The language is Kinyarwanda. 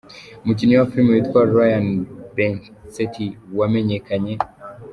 umukinnyi wa filimi witwa Rayane Bensetti wamenyekanye